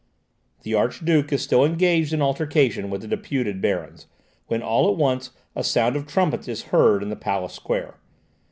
The Archduke is still engaged in altercation with the deputed barons, when all at once a sound of trumpets is heard in the palace square.